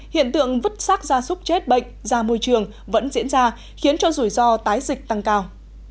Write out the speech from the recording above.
hiện tượng vứt xác da súc chết bệnh da môi trường vẫn diễn ra khiến cho rủi ro tái dịch tăng cao